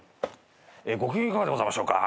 「ご機嫌いかがでございましょうか。